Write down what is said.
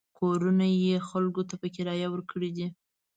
کورونه یې خلکو ته په کرایه ورکړي دي.